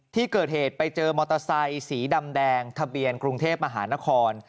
ที่เกิดเหตุไปเจอมอเตอร์ไซค์สีดำแดงทะเบียนกรุงเทพมหานคร